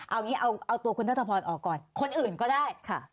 เอาตัวคุณนัทพรออก่อนคนอื่นก็ได้